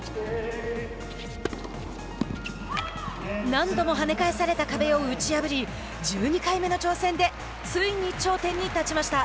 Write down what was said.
何度もはね返された壁を打ち破り１２回目の挑戦でついに頂点に立ちました。